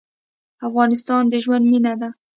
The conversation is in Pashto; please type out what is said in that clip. افغانستان د ژوند مېنه ده.